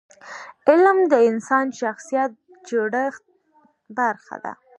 علم د انسان د شخصیت د جوړښت برخه ده.